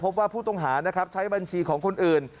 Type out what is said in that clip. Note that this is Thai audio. พบว่าผู้ต้องหานะครับใช้บัญชีของคนอื่น